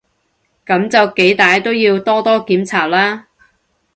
噉就幾歹都要多多檢查啦